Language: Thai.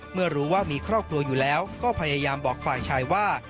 เมื่อรู้ว่ามีครอบครัวอยู่แล้วก็พยายามบอกฝ่ายชายว่า